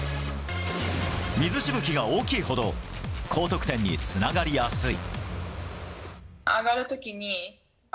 水しぶきが大きいほど高得点につながりやすい。